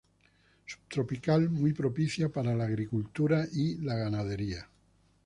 Subtropical, muy propicia para la agricultura y la ganadería.